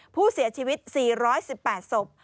ผู้เสียชีวิต๔๑๘ศพ